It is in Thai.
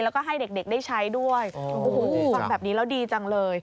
แล้วก็ให้เด็กได้ใช้ด้วยโอ้โหฟังแบบนี้แล้วดีจังเลย